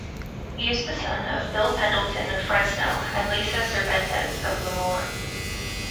He is the son of Bill Pendleton of Fresno and Lisa Cervantez of Lemoore.